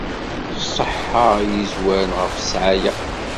Ṣṣeḥḥa i yezwaren ɣef ssɛaya.